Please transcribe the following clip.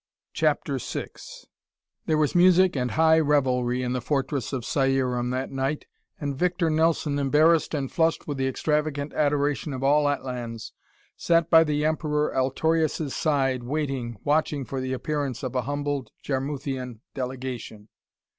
CHAPTER VI There was music and high revelry in the fortress of Cierum that night, and Victor Nelson, embarrassed and flushed with the extravagant adoration of all Atlans, sat by the Emperor Altorius' side waiting, watching for the appearance of a humbled Jarmuthian delegation.